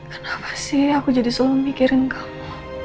kenapa sih aku jadi suami mikirin kamu